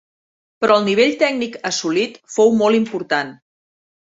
Però el nivell tècnic assolit fou molt important.